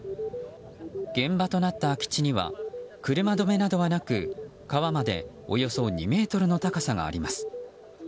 現場となった空き地には車止めなどはなく川までおよそ２ｍの高さがあります。